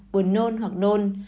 buồn nôn hoặc đôn